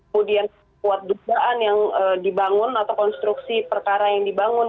kemudian kuat dugaan yang dibangun atau konstruksi perkara yang dibangun